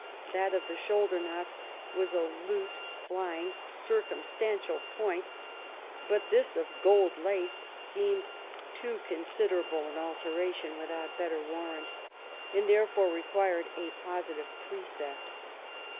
That of the shoulder knots was a loose, flying, circumstantial point ; but this of gold lace seemed too considerable an alter ation without better warrant, ... and therefore re quired a positive precept.